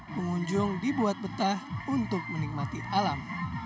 pengunjung dibuat betah untuk menikmati alam